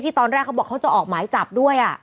ตอนแรกเขาบอกเขาจะออกหมายจับด้วย